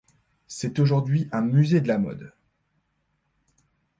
C'est aujourd'hui un musée de la mode.